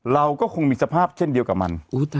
เราก็คงมีสภาพเช่นเดียวกับมัน